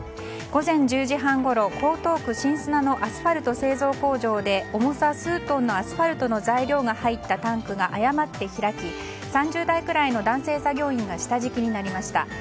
午前１０時半ごろ江東区新砂のアスファルト製造工場で重さ数トンのアスファルトの材料が入ったタンクが誤って開き３０代くらいの男性作業員が下敷きになりました。